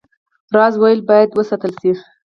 راز ولې باید وساتل شي؟